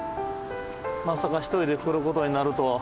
まさか１人で来る事になるとは。